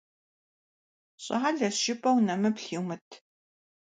ЩӀалэщ жыпӀэу нэмыплъ йумыт.